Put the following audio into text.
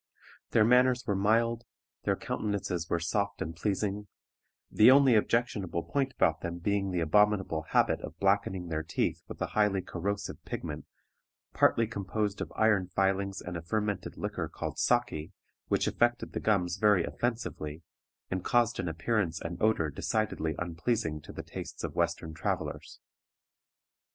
Their manners were mild, their countenances were soft and pleasing, the only objectionable point about them being the abominable habit of blackening their teeth with a highly corrosive pigment partly composed of iron filings and a fermented liquor called saki, which affected the gums very offensively, and caused an appearance and odor decidedly unpleasing to the tastes of Western travelers.